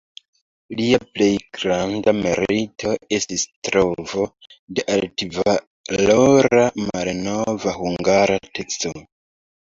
Lia plej granda merito estis trovo de altvalora malnova hungara teksto.